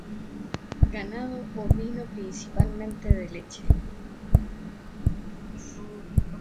Ganado ovino, principalmente de leche.